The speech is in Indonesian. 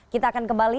kita akan kembali